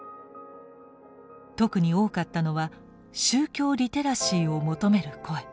特に多かったのは宗教リテラシーを求める声。